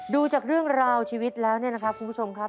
ดูจากเรื่องราวชีวิตแล้วเนี่ยนะครับคุณผู้ชมครับ